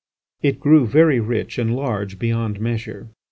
It grew very rich and large beyond measure.